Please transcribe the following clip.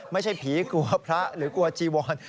ไม่ใช่ผีกลัวพระหรือกลัวจีวร